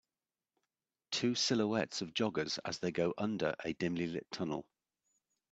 Two silhouettes of joggers as they go under a dimly lit tunnel.